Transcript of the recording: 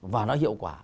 và nó hiệu quả